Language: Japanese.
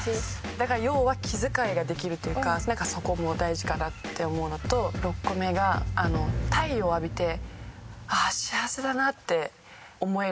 だから要は気遣いができるというかなんかそこも大事かなって思うのと６個目が太陽を浴びてああ幸せだなって思える感性の人。